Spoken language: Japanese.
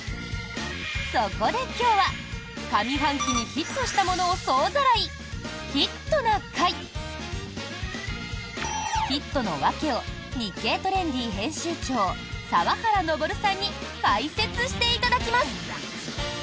そこで今日は、上半期にヒットしたものを総ざらい「ヒットな会」。ヒットの訳を「日経トレンディ」編集長澤原昇さんに解説していただきます。